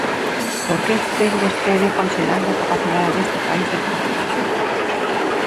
¿Por que vén vostede conxelando a capacidade deste país de gobernarse?